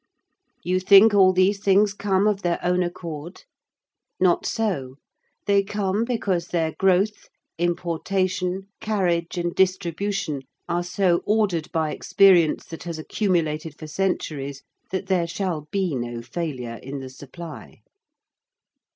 You think all these things come of their own accord? Not so: they come because their growth, importation, carriage, and distribution are so ordered by experience that has accumulated for centuries that there shall be no failure in the supply.